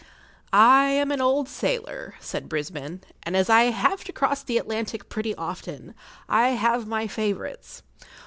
I am an old sailor, said Brisbane, and as I have to cross the Atlantic pretty often, I have my favourites.